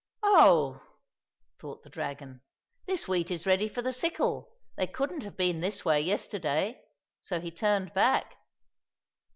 —" Oh !" thought the dragon, " this wheat is ready for the sickle, they couldn't have been this way yesterday," so he turned back.